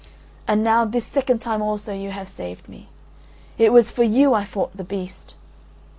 And now this second time also you have saved me. It was for you I fought the beast.